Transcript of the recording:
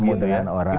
iya ketemu dengan orang